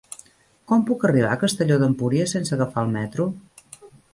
Com puc arribar a Castelló d'Empúries sense agafar el metro?